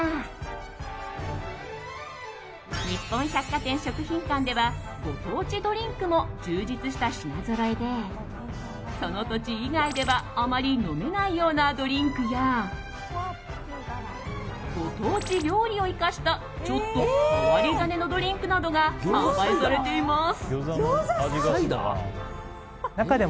かんではご当地ドリンクも充実した品ぞろえでその土地以外ではあまり飲めないようなドリンクやご当地料理を生かしたちょっと変わり種のドリンクなどが販売されています。